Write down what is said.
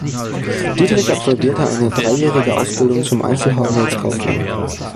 Dietrich absolvierte eine dreijährige Ausbildung zum Einzelhandelskaufmann.